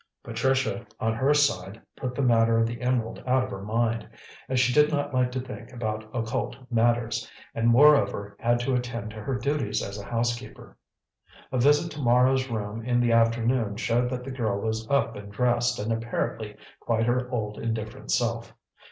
Patricia, on her side, put the matter of the emerald out of her mind, as she did not like to think about occult matters, and, moreover, had to attend to her duties as housekeeper. A visit to Mara's room in the afternoon showed that the girl was up and dressed, and apparently quite her old indifferent self.